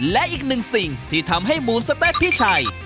และอีกหนึ่งสิ่งที่ทำให้หมูสะเต๊ะพี่ชัย